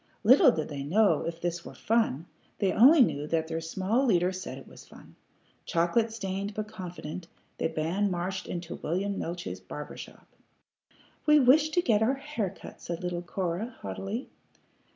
Little did they know if this were fun; they only knew that their small leader said it was fun. Chocolate stained but confident, the band marched into William Neeltje's barber shop. "We wish to get our hair cut," said little Cora, haughtily.